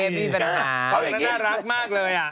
น่ารักมากเลย